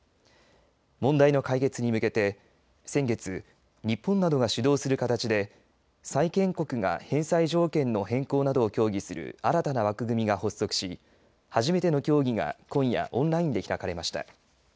問題の解決に向けて先月、日本などが主導する形で債権国が返済条件の変更などを協議する新たな枠組みが発足し初めての協議が今夜オンラインで開かれました。